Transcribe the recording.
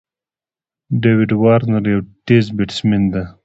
داويد وارنر یو تېز بېټسمېن دئ.